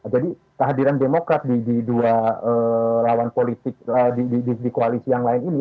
jadi kehadiran demokrat di dua lawan politik di koalisi yang lain ini